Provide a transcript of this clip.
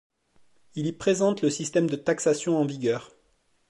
Il y présente le système de taxation en vigueur.